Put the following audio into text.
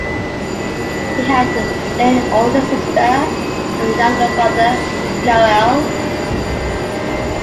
He had an older sister and a younger brother, Noel.